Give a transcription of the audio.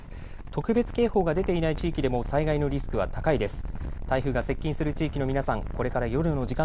特別警報が出ていない地域でも災害のリスクは高いです。